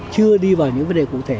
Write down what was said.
chưa đi vào những vấn đề cụ thể